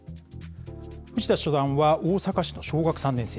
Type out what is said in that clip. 藤田初段は大阪市の小学３年生。